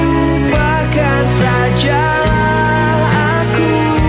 lupakan sajalah aku